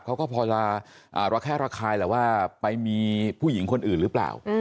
เขาก็พอจะระแคะระคายแหละว่าไปมีผู้หญิงคนอื่นหรือเปล่า